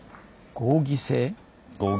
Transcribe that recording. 「合議制」。